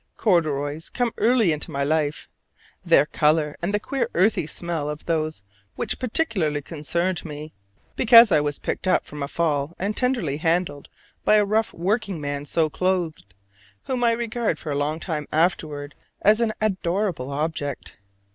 Corduroys come early into my life, their color and the queer earthy smell of those which particularly concerned me: because I was picked up from a fall and tenderly handled by a rough working man so clothed, whom I regarded for a long time afterward as an adorable object.